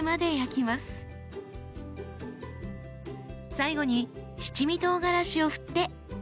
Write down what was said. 最後に七味とうがらしを振って完成です。